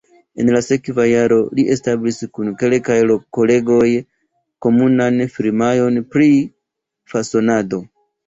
En la sekva jaro li establis kun kelkaj kolegoj komunan firmaon pri fasonado.